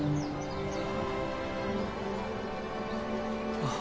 あっ。